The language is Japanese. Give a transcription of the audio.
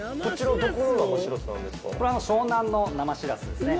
これは湘南の生しらすですね。